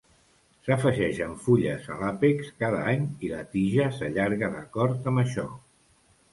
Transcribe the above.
S'afegeixen fulles a l'àpex cada any i la tija s'allarga d'acord amb això.